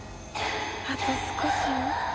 あと少しよ。